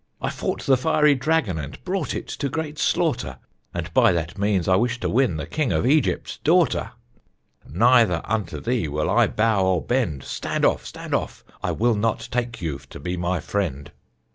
I fought the fiery Dragon And brought it to great slaughter, And by that means I wish to win The King of Egypt's daughter. Neither unto thee will I bow nor bend. Stand off! stand off! I will not take you to be my friend.